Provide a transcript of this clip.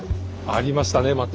ありましたねまた。